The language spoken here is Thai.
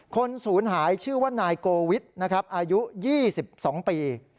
ศูนย์หายชื่อว่านายโกวิทนะครับอายุ๒๒ปี